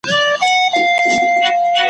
له غړومبي د تندر ټوله وېرېدله !.